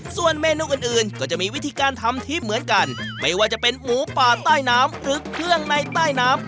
ส่วนเมนูอื่นอื่นก็จะมีวิธีการทำที่เหมือนกันไม่ว่าจะเป็นหมูป่าใต้น้ำหรือเครื่องในใต้น้ำ